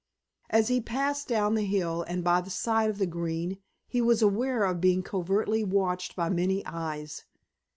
As he passed down the hill and by the side of the Green he was aware of being covertly watched by many eyes.